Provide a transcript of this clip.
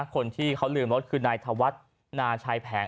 คนที่เขาลืมรถคือนายธวัฒน์นาชายแผน